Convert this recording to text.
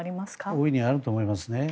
大いにあると思いますね。